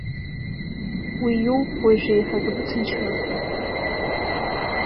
Уи иоуп уажә еиҳа згәы ҭынчмыз.